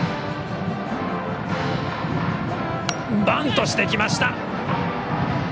バントしてきました。